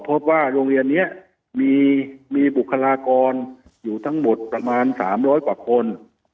พบว่าโรงเรียนนี้มีบุคลากรอยู่ทั้งหมดประมาณ๓๐๐กว่าคน